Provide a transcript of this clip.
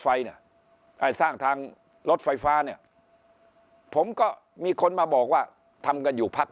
ไฟเนี่ยสร้างทางรถไฟฟ้าเนี่ยผมก็มีคนมาบอกว่าทำกันอยู่พัก